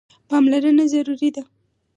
پاملرنه ضروري ده.